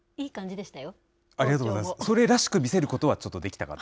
それらしく見せることはちょっとできたかなと。